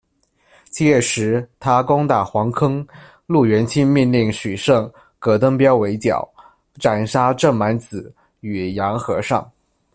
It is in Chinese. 七月时，他攻打黄坑，陆源清命令许胜、葛登标围剿，斩杀郑满子与杨和尚。